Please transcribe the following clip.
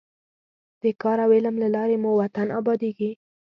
د کار او علم له لارې مو وطن ابادېږي.